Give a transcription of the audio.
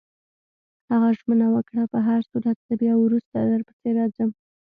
هغه ژمنه وکړه: په هرصورت، زه بیا وروسته درپسې راځم.